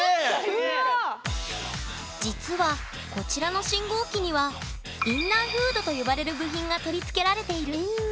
実はこちらの信号機には「インナーフード」と呼ばれる部品が取り付けられている。